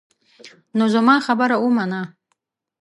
نو زما خبره ومنه.